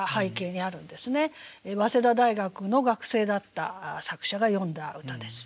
早稲田大学の学生だった作者が詠んだ歌です。